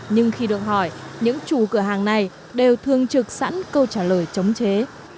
nhưng khi được hỏi những chủ cửa hàng này đều thường trực sẵn câu trả lời chống chế